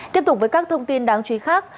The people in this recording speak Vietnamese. tiếp tục với các thông tin đáng chú ý khác